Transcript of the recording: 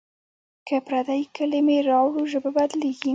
که پردۍ کلمې راوړو ژبه بدلېږي.